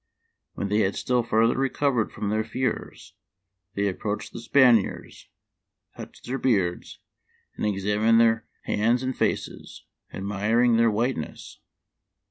When they had still further recovered from their fears, they approached the Spaniards, touched their beards, and examined their hands and faces, admiring their whiteness.